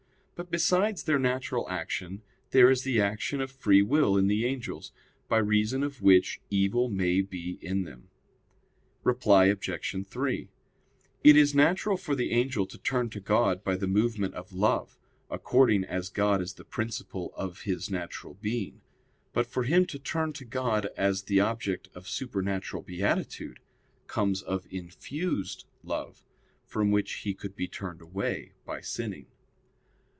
But besides their natural action there is the action of free will in the angels, by reason of which evil may be in them. Reply Obj. 3: It is natural for the angel to turn to God by the movement of love, according as God is the principle of his natural being. But for him to turn to God as the object of supernatural beatitude, comes of infused love, from which he could be turned away by sinning.